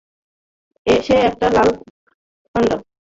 সে একটা লাল পান্ডা!